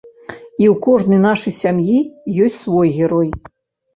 І ў кожнай нашай сям'і ёсць свой герой.